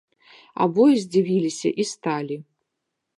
Абое здзівіліся і сталі.